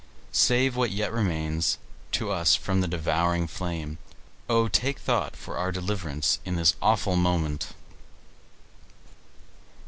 Save what yet remains to us from the devouring flame. O, take thought for our deliverance in this awful moment!"